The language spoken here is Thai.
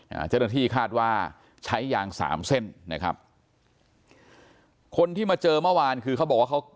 เจ้าหน้าที่คาดว่าใช้ยางสามเส้นนะครับคนที่มาเจอเมื่อวานคือเขาบอกว่าเขา